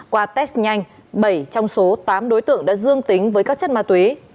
qua test nhanh bảy trong số tám đối tượng đã dương tính với các chất ma túy